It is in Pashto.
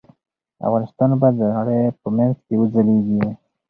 افغانستان به د نړۍ په منځ کې وځليږي.